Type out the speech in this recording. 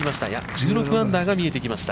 １６アンダーが、見えてきました。